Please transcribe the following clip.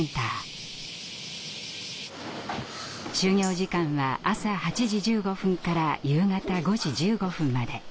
就業時間は朝８時１５分から夕方５時１５分まで。